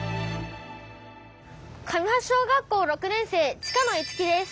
神橋小学校６年生近野樹です。